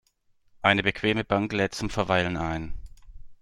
Eine bequeme Bank lädt zum Verweilen ein.